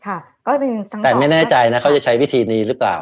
อะแต่ไม่แน่ใจเนี่ยเขาจะใช้วิธีรึเปล่า